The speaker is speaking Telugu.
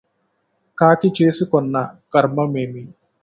కాకి చేసుకొన్న కర్మమేమి